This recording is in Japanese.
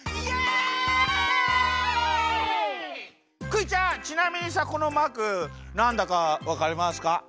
クイちゃんちなみにさこのマークなんだかわかりますか？